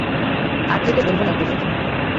আর যেতে বলব না কুমুদ।